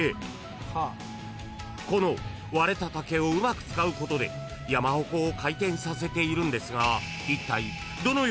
［この割れた竹をうまく使うことで山鉾を回転させているんですが］